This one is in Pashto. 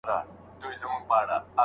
اګوست کُنت نوي قوانين کشف کړل.